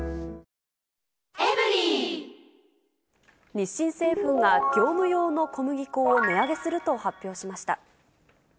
日清製粉が、業務用の小麦粉を値上げすると発表しました。